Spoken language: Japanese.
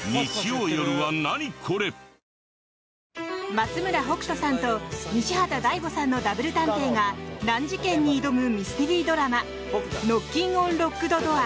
松村北斗さんと西畑大吾さんのダブル探偵が難事件に挑むミステリードラマ「ノッキンオン・ロックドドア」。